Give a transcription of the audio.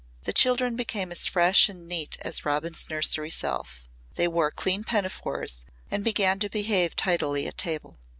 The children became as fresh and neat as Robin's nursery self. They wore clean pinafores and began to behave tidily at table.